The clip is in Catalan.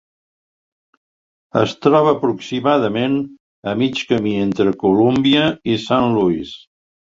Es troba aproximadament a mig camí entre Colúmbia i Saint Louis.